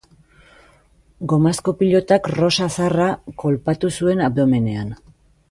Gomazko pilotak Rosa Zarra kolpatu zuen abdomenean.